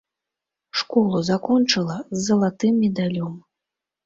Школу закончыла з залатым медалём.